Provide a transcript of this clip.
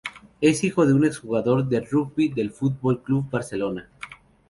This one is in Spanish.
Es hijo de un ex jugador de rugby del Fútbol Club Barcelona.